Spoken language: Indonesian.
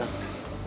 gak usah dipikirin